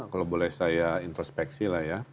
kalau boleh saya introspeksi